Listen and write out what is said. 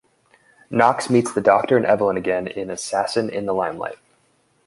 Knox meets the Doctor and Evelyn again in "Assassin in the Limelight".